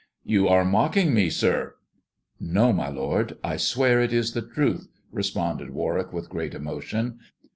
You are mocking me, sir." No, my lord ; I swear it is the truth," responded War wick, with great emotion.